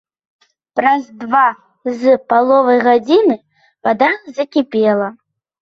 Праз два з паловай гадзіны вада закіпела.